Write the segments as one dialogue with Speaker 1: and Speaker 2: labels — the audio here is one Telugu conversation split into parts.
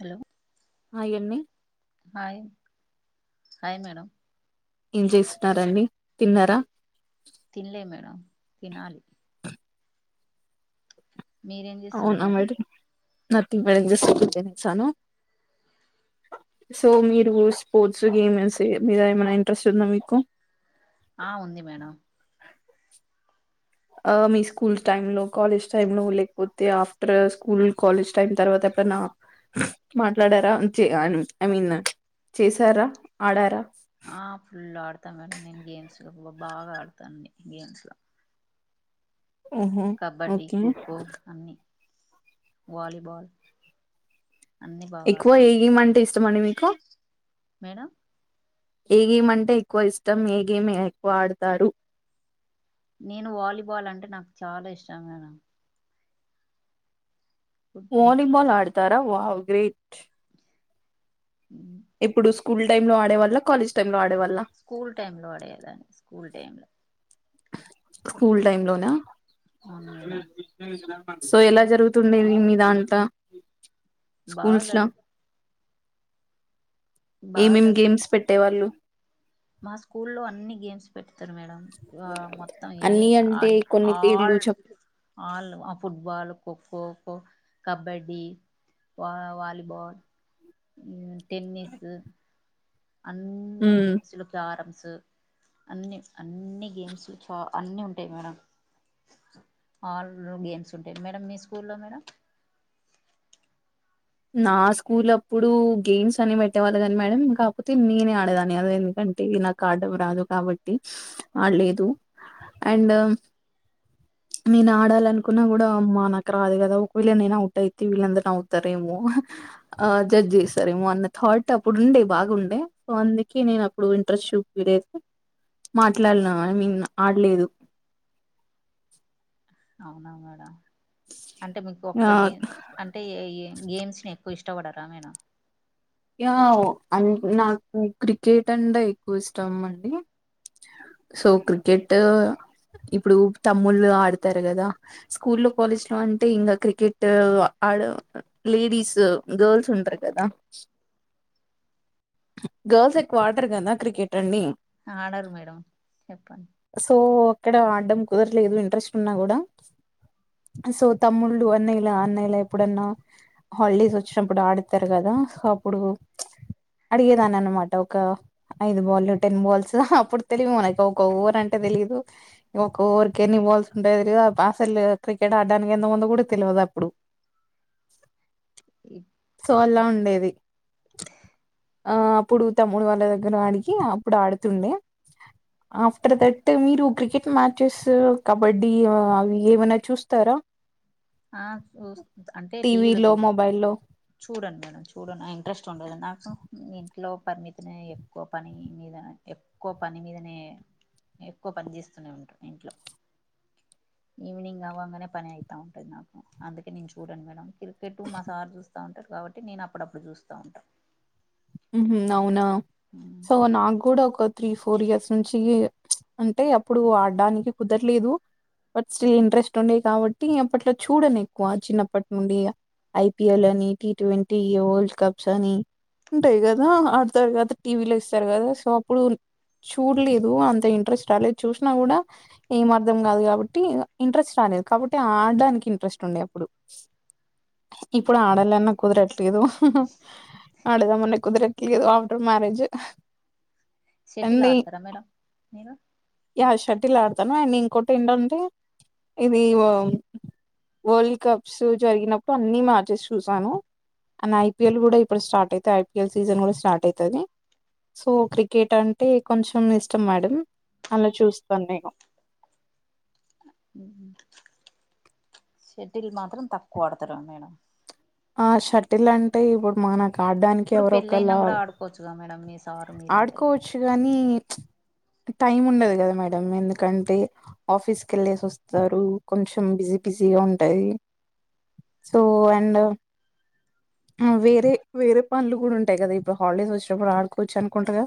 Speaker 1: హలో
Speaker 2: ఆ ఎన్నీ
Speaker 1: హాయ్ హాయ్ మేడం
Speaker 2: ఏం చేస్తున్నడి తిన్నారా
Speaker 1: తినలే మేడం తినాలి మీరేం చేస్తున్నారు మేడం
Speaker 2: నథింగ్ మడంజస్ట్నించాను సో మీరు స్పోర్ట్స్ గేమ్స్ మీద ఏమైనా ఇంట్రెస్ట్ ఉందా మీకు
Speaker 1: ఆ ఉంది మేడం
Speaker 2: ఆ మీ స్కూల్ టైమ్ లో కాలేజ్ టైమ్ లో లేకపోతే ఆఫ్టర్ స్కూల్ కాలేజ్ టైం తర్వాత ఎప్పుడనా మాట్లాడారా ఐ మీన్ చేసారా ఆడారా
Speaker 1: ఆ [unintelligible]
Speaker 2: ఓహో
Speaker 1: కబడ్డీ
Speaker 2: ఓకే
Speaker 1: ఖోఖో అన్ని వాలీబాల్ అన్ని బాగా
Speaker 2: ఎక్కువ ఏ
Speaker 1: ఆడతాను
Speaker 2: గేమ్ అంటే ఇష్టమండి మీకు
Speaker 1: మేడం
Speaker 2: ఏ గేమ్ అంటే ఎక్కువ ఇష్టం ఏ గేమ్ ఎక్కువ ఆడతారు
Speaker 1: నేను వాలీబాల్ అంటే నాకు చాలా ఇష్టం మేడం
Speaker 2: వాలిబాల్ ఆడు తర వావ్ గ్రేట్
Speaker 1: ఉ
Speaker 2: ఇప్పుడు స్కూల్ టైమ్ లో ఆడే వాల్ల కాలేజ్ టైమ్ లో ఆడేవాళ్ళ
Speaker 1: స్కూల్ టైమ్ లో అడేదాని స్కూల్ టైమ్ంలో
Speaker 2: స్కూల్ టైమ్ లోనా
Speaker 1: అవును మేడం
Speaker 2: సో ఎలా జరుగుతుండేది మీ దంటా
Speaker 1: బాగా జరుగుదు బాగా
Speaker 2: ఏమేం
Speaker 1: జరుగు
Speaker 2: గేమ్స్ పెట్టేవాళ్ళు
Speaker 1: మా స్కూల్ లో అన్ని గేమ్స్ తారు మేడం మొత్తం ఎన్ని
Speaker 2: అన్ని అంటే కొన్ని పేర్లు
Speaker 1: ఆల్
Speaker 2: చెప్
Speaker 1: ఆల్ ఫుట్బాల్ ఖోఖో ఖోఖో కబడ్డీ వా వాలిబాల్ ఉమ్ టెన్నిీస్ అన్ని
Speaker 2: మ్మ్
Speaker 1: గేమ్స్‌లో క్యారమ్స్ స్ అన్ని అన్ని గేమ్స్ చ అన్ని ఉంటాయి మేడం అల్ గేమ్స్ ఉంటాయి మేడం మీ స్కూల్లో మేడం
Speaker 2: నా స్కూల్ అప్పుడు గేమ్స్ అని పెట్టేవాళ్ళు కానీ మేడం కాకపోతే నేనే ఆడేదాన్ని కాదు ఎందుకంటే నాకు ఆడడం రాదు కాబట్టి ఆడలేదు అండ్ నేను ఆడాల అనుకున్నా కూడా అమ్ నాకు రాదు కదా ఒకవేళ్ళ నేను అవుట్ అయితే వీళ్ళందరు నవ్వుతారు మో జడ్జ్ చేస్తారేమో అన్న థాట్ అప్పుడుండే బాగుండే సో అందుకే నేను అప్పుడు ఇంట్రెస్ట్ చూయితే మాట్లాడునాను ఐ మీన్ ఆడలేదు
Speaker 1: అవునా మేడంమ్. అంటే మీకు
Speaker 2: ఆ
Speaker 1: ఒక్క గేమ్ అంటే గేమ్స్ ని. ఎక్కువ ఇష్టపడారా మీరు.
Speaker 2: యా నాకు క్రికెట్ అంటే ఎక్కువ ఇష్టం అండి సో క్రికెట్ ఇప్పుడు తమ్ముళ్ళు ఆడతారు కదా స్కూల్లో కాలేజ్ లో అంటే ఈంగ క్రికెట్ ఆడు లేడీస్ గల్స్ ఉంటారు కదా. గర్ల్ స్ ఎక్కువ ఆడారు కదా క్రికెట్ అనిండి.
Speaker 1: ఆడరు మేడం చెప్పండి
Speaker 2: ఇక్కడ ఆడడం కుదరలేదు ఇంట్రెస్ట్ ఉన్నా కూడా సో తమ్ముళ్ళు అన్నయ్యలా అన్నయ్యలా ఎప్పుడన్నా హాలిడేస్ వచ్చినప్పుడు ఆడతారు కదా సో అప్పు. ఇప్పుడు అడిగేదాన్ని అనమాట ఒక ఐదు బాల్ టెన్ బాల్స్ అప్పుడు తెలివి మనకి ఒక ఓవర్ అంటే తెలీయదు. ఒక ఊరికేన్ని ఇవవాల్సి ఉంటాయ త అసలు క్రికెట్ ఆడడానికి ఎంతకు ముందు కూడా తెలియదు అప్పుడు. సో అలా ఉండేది
Speaker 1: హ హా.
Speaker 2: ఆహా అప్పుడు తమ్ముడు వాళ్ళ దగ్గర ఆడిగి అప్పుడు ఆడుతుండే ఆఫ్టర్ దట్ మీరు క్రికెట్ మ్యాచెస్ కబడ్డీ అవి ఏమైనా చూస్తారా.
Speaker 1: ఆ చూస్తా అంటే టీవీలో చూడు చూడను మేడంమ్ చూడను. ఇన్ ట్రెస్ట్ ఉండదు నాకు ఇంట్లో పని మీదనే ఎక్కువ పని మీద ఎక్కువ పని మీదనే ఎక్కువ పని చేస్తూనే ఉంటాం ఇంట్లో ఈవినింగ్ అవ్వగానే పని అవుతాం. అందుకే నేను చూడను మేడంమ్. క్రికెట్టు మాసార్ చూస్త చస్త ఉంటారు కాబట్టి నేను అప్పుడప్పుడు చూస్తా ఉంటాను
Speaker 2: హ్మ్ అవున సో నాకు కూడా ఒక. త్రీ ఫోర్ ఇయర్స్ నుంచి అంటే అప్పుడు ఆడడానికి కుదరలేదు బట్ స్టిల్ ఇంట్రెస్ట్ ఉండే కాబట్టి అప్పట్లో చూడను ఎక్కువ చిన్నప్పటి నుండి ఐపిఎల్ అని టీ ట్వంటీ వరల్డ్ కప్స్ అని. ఉంటాయి కదా ఆడతారు కద టీవీలో ఇస్తారు కదా సో అప్పుడు చూడలేదు అంత ఇంట్రెస్ట్ రాలేదు చూసినా కూడా ఏమ అర్ధం కాదు కాబట్టి ఇంట్రెస్ట్ రాలేదు కాబట్టి ఆడడానికి ఇంట్రెస్ట్ ఉండే అప్పుడు ఇప్పుడు ఆడాల అన్నా కుదరద్ ఏదో. అడుదా మన్న కుదిరకిదు ఆఫ్టర్ మ్యరేజ్
Speaker 1: షెటిల్ ఆడతారా మేడంమ్ మీరు.
Speaker 2: ల్ ఆడతాను అండ్ ఇంకోొటి ఏంటంటే ఇది వరల్డ్ కప్స్ జరిగినప్పుడు అన్ని మ్యాచెస్ చూసాను అండ్ ఐపీఎల్ కూడా ఇప్పుడు స్టార్ట్ అయి తడ్కల్ సీజన్ కూడా స్టార్ట్ అయితాది సో క్రికెట్ అంటే కొంచెం ఇష్టం మేడంమ్ అలా చూస్తాను నేను
Speaker 1: షెటిల్ మాత్రం తక్కువ ఆడుతారా మీరు.
Speaker 2: ఆ షటిల్ అంటే ఇప్పుడు మనకి. ఆడడానికి
Speaker 1: ఇప్పుడు
Speaker 2: ఎవరోొ
Speaker 1: పెళ్ళయినా
Speaker 2: ఒకలా
Speaker 1: కూడా ఆడుకోవచ్చుగా మేడం మీ సారు మీరిద్దరు
Speaker 2: ఆడుకోవచ్చు కాగానీ టైం ఉండదు కదా మేడంమ్ ఎందుకంటే ఆఫీస్కి వెళ్ళేసి వస్తారు కొంచెం బిజీ బిజీగా ఉంటుంది సో అండ్. వేరే వేరే పనులు కూడా ఉంటాయి కదా ఇప్పుడు హాలిడేస్ వచ్చినప్పుడు ఆడుకోవచ్చు అనుకుంటగా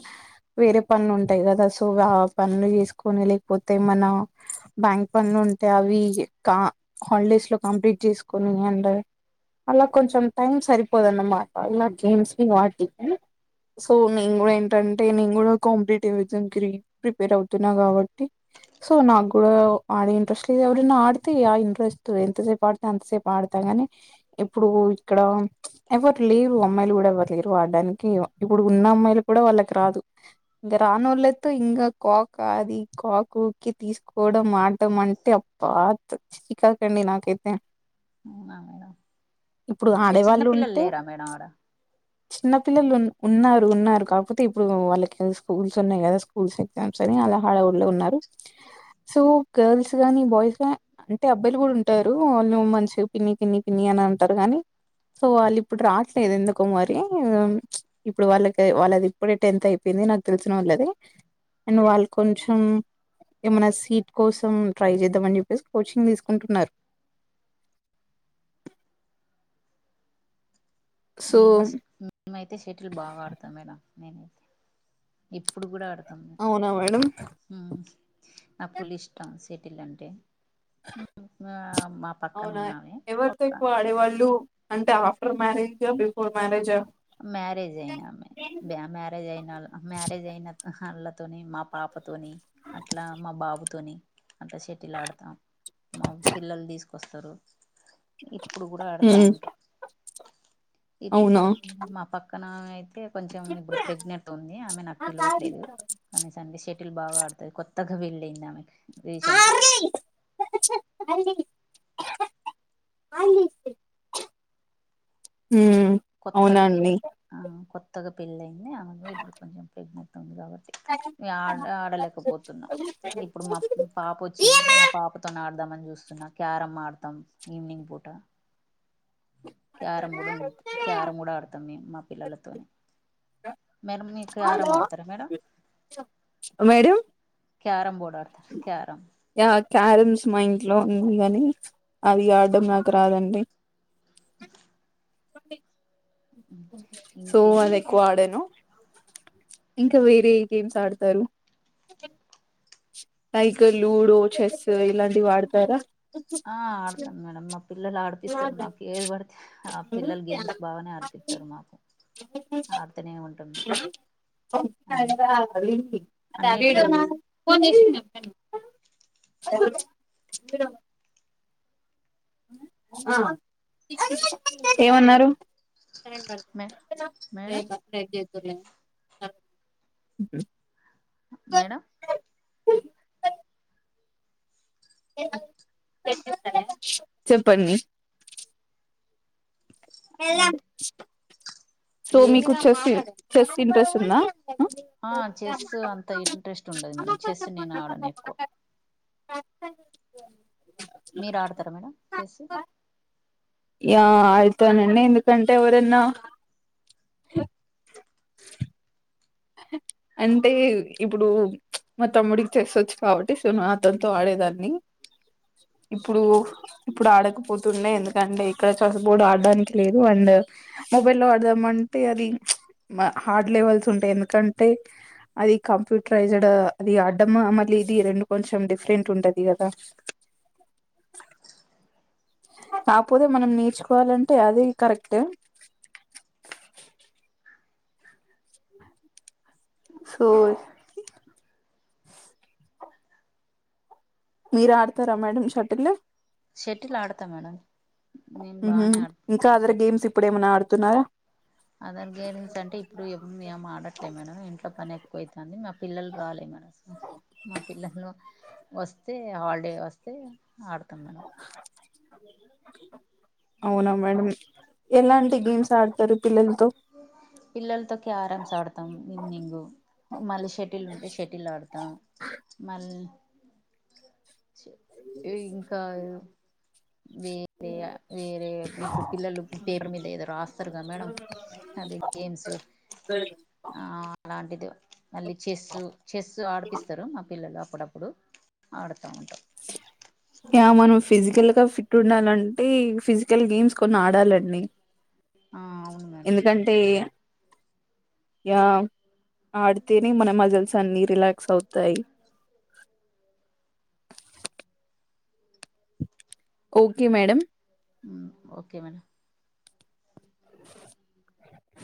Speaker 2: వేరే పనులు ఉంటాయి కదా సో ఆ పనులు చేసుకొని లేకపోతే మన బ్యాంక్ పనులు ఉంటాయి అవి కా హాలిడేస్ లో కంప్లీట్ చేసుకొని అండ్ అలా కొంచెం టైం సరిపోదున్నమాట ఇలా గేమ్స్ ని వాటి సో నేను కూడా ఏంటంటే నేను కూడా కాంపిటేటివ్ ఎగ్జామ్ క ప్రిపేర్ అవుతున్నా కాబట్టి సో నాకు కూడా ఆడే ఇంట్రెస్ట్ లేదు ఎవరనా ఆడితే ఆ ఇంట్రెస్ట్ ఎంతసేపు ఆడితే అంతసేపు ఆడతా గాని ఇప్పుడు ఇక్కడ ఎవరు లేరు అమ్మాయిలు కూడా ఎవరు లేరు వాడడానికి ఇప్పుడు ఉన్న అమ్మాయిలు కూడా వాళ్ళకి రాదు ఇంకా రాని వాళ్ళతో ఇంకా కాకు అది కాకుకి తీసుకోవడం అంటమంటే అబ్బా. చీకాక్ అండి నాకు అయితే.
Speaker 1: అ మేడం అంటే
Speaker 2: ఆడేవాళ్ళు
Speaker 1: చిన్నపిల్లలు
Speaker 2: ఉంటే
Speaker 1: లేరా మేడం ఆడ
Speaker 2: చిన్న పిల్లలు ఉన్నారు ఉన్నారు కాకపోతే ఇప్పుడు వాళ్ళకి స్కూల్స్ ఉన్నాయి కదా స్కూల్స్ ఎగ్జామ్స్ అని అలా హడ ఊళ్లో ఉన్నారు సో గర్ల్స్ గాని బాయ్స్ అంటే అబ్బాయిలు కూడా ఉంటారు వాళ్ళు మస్ పిన్ని పిన్ని పినియన్ అంటారు కానీ సో వాళ్ళు ఇప్పుడు రావట్లేదు ఎందుకో మరి ఇప్పుడు వాళ్ళకి వాళ్ళది ఇప్పుడే టెన్త్ అయిపోయింది నాకు తెలిసిన వాళ్ళది అండ్ వాళ్ళు కొంచెం ఏమైనా సీట్ కోసం ట్రై చేద్దాం అని చెప్పేసి కోచింగ్ తీసుకుంటున్నారు. సో
Speaker 1: మేము మేమైతే షటిల్ బాగాడుతాం మేడం నేనైతే ఇప్పుడు కూడా ఆడతాను
Speaker 2: అవున మేడంమ్.
Speaker 1: నా పులిష్టం సిటిలాంటే మా పక్కన
Speaker 2: అవునా
Speaker 1: ఉన్నామే
Speaker 2: ఎవరితో
Speaker 1: ఒక్క
Speaker 2: ఎక్కువ ఆడేవాళ్ళు అంటే ఆఫ్టర్ మ్యారేజ్ బిఫోర్ మ్యారేజా.
Speaker 1: మ్యారేజ్ అయసా మ్యారేజ్ అయినళ్ళ మ్యారేజ్ అయిన అళ్ తోని మా పాపతోని అట్లా మా బాబుతోని అట్ల షెటిల్ ఆడతాం మా పిల్లలు తీసుకొస్తారు. ఇప్పుడు కూడా ఆడతా
Speaker 2: ఉమ్
Speaker 1: ఉంటవు ఇ
Speaker 2: అవునా
Speaker 1: మా పక్కన అయితే కొంచెం ఇప్పుడు ప్రెగ్నెంట్ ఉంది ఆమె నాకు పిలువట్లేదు కానీ సంఢే వీటి బాగా అడతది కొత్తగా వళ్ళందమె
Speaker 2: ఆరెంయ్ హ్మ్
Speaker 1: కొత్తగా పెళ్
Speaker 2: అవునండి.
Speaker 1: ఆ కొత్తగా పెళ్ళి అయింది ఆమె ఇప్పుడు కొంచెం ప్రెగ్నెంట్ కాబట్టి. మ ఆడ ఆడలేకపోతున్నాం ఇప్పుడు మా పాప వచ్చింది మా పాపతో ఆడ ద్దామని చూస్తున్నా క్యారంమ్ ఆడతాం ఈవినింగ్ పూట క్యారంమ్ కూడా ఉండు క్యారంమ్ కూడా ఆడతాం మేము మా పిల్లలతోనే మేడంమ్ మీ క్యారంమ్ ఆడతారా madam.
Speaker 2: Madam
Speaker 1: carrom board carrom.
Speaker 2: Yeah carroms మా ఇంట్లో ఉంది కాని అవీ ఆడడం నాకు రాదండి.
Speaker 1: టాక్ టాక్.
Speaker 2: అడి సో
Speaker 1: ఇంకేంది
Speaker 2: అది ఎక్కువ ఆడాను. ఇంకా వేరే గేమ్స్ ఆడుతారు. లక్లూడో చెస్ ఇలాంటివి వాడతారా
Speaker 1: ఆడతాను మేడంమ్ మా పిల్లలు ఆడిపిస్తారు మాకు ఏది పడితే ఆ పిల్లలు గేమ్స్ బాగానే ఆడిపిస్తారు మాకు ఆడుతూనే ఉంటాం అన్న అన్నీ ట్రై చేస్తా
Speaker 2: చూక్ చెట్. ఏమన్నారు కోరిన్ హర్
Speaker 1: మే
Speaker 2: హు
Speaker 1: మేడం
Speaker 2: హూ. [unintelligible]
Speaker 1: మేడం
Speaker 2: చెప్పండి ఎలా సో
Speaker 1: ఏ
Speaker 2: మీకు చెస్ చెస్ ఇంట్రెస్ట్ ఉందా.
Speaker 1: ఆ చెస్ అంత ఇంట్రెస్ట్ ఉండదు మేడం, చెస్ నేను ఆడను ఎక్కువ. మీరు ఆడతరా మేడం చెస్.
Speaker 2: యా అడుతానండి ఎందుకంటే ఎవరన్నా అంటే ఇప్పుడు మా తమ్ముడికి చెస్సొచ్చు కాబట్టి సో నా అతనితో ఆడేదాన్ని. ఇప్పుడు ఇప్పుడు ఆడకపోతుండే ఎందుకంటే ఇక్కడ చెస్బోర్డు ఆడడానికి లేదు అండ్ మొబైల్ లో ఆడదాం అంటే అది హార్డ్ లెవెల్స్ ఉంటయి ఎం దుకంటే అది కంప్యూటరైజ్డ్ అది అడ్డంమా మళ్ళీ ఇది రెండు కొంచెం డిఫరెంట్ ఉంటది కదా. కాపోతే మనం నేర్చుకోవాలంటే అది కరెక్ట్. సో మీరు ఆడతారా మేడం షటిల్లు.
Speaker 1: షటిల్ ఆడతా మేడం, నేను బాగానే ఆడతాను షటిల్.
Speaker 2: తున్నార.
Speaker 1: అదర్ గేమ్స్ అంటే ఇప్పుడు ఏం ఏం ఆడట్లే మేడం, ఇంట్లో పని ఎ క్కువ అయితంది మా పిల్లలు రాలే మానస మా పిల్లలు వస్తే హాలిడే వస్తే ఆడతాం మేడం
Speaker 2: అవునా మేడం. ఎలాంటి గేమ్స్ ఆడతరు.
Speaker 1: పిల్లలతో క్యారమ్స్ ఆడతాం. ఓ మళ్ళీష టిల్ ఉంటే షటిల్ ఆడుతా మల్ [unintelligible] ఇంకా వేరే వేరే ఇప్పుడు పిల్లలు పేపర్ మీద ఏదో రాస్తారు కదా మేడం అదే గేమ్స్ ఆ లాంటిదు. మళ్ళీ చెస్సు చెస్సు ఆడిపిస్తరు మా పిల్లలు అప్పుడప్పుడు ఆడతా ఉంటం.
Speaker 2: యా మనం ఫిజికల్ గా ఫిట్ ఉండాలంటే ఫిజికల్ గేమ్స్ కొన్ని ఆడాలండి.
Speaker 1: ఆ అవును మేడం
Speaker 2: ఎందుకంటే యా ఆడతేనె మన మజిల్స్ అన్ని రిలాక్స్ అవుతాయి. ఓకే మేడం
Speaker 1: ఊ ఓకే మేడం